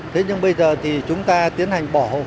thế nhưng bây giờ thì chúng ta đăng ký ô tô và mô tô theo hộ khẩu